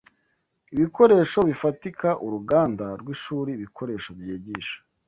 ibikoresho bifatika uruganda rwishuri ibikoresho byigisha